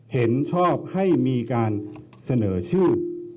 เห็นชอบให้มีการเสนอชื่อ